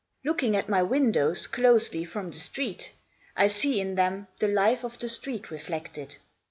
Looking at my windows closely from the street, I see in them the life of the street reflected.